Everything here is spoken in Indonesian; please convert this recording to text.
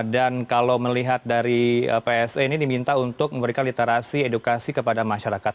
dan kalau melihat dari pse ini diminta untuk memberikan literasi edukasi kepada masyarakat